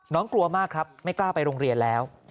กลัวมากครับไม่กล้าไปโรงเรียนแล้ว